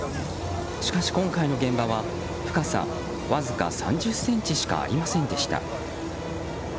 しかし今回の現場は深さわずか３０ｃｍしかありませんでした。